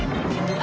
あ。